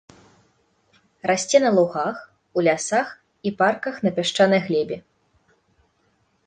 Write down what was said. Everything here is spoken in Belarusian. Расце на лугах, у лясах і парках на пясчанай глебе.